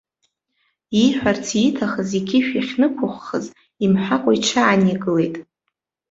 Ииҳәарц ииҭахыз иқьышә иахьнықәыххыз, имҳәакәа иҽааникылеит.